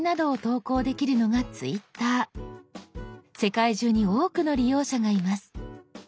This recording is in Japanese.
世界中に多くの利用者がいます。